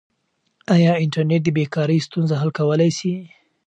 آیا انټرنیټ د بې کارۍ ستونزه حل کولای سي؟